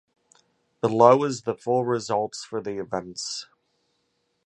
Below is the full results for the events.